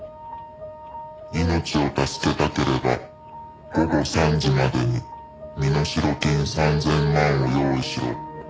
「命を助けたければ午後３時までに身代金３０００万を用意しろ」